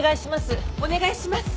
お願いします。